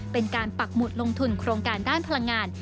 ปักหมุดลงทุนโครงการด้านพลังงาน